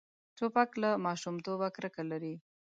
توپک له ماشومتوبه کرکه لري.